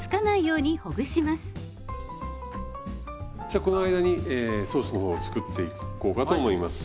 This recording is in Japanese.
じゃこの間にソースの方を作っていこうかと思います。